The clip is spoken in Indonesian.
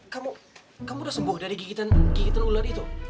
kamu kamu udah sembuh dari gigitan ular itu